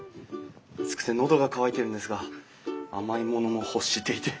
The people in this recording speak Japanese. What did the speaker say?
暑くて喉が渇いてるんですが甘いものも欲していて。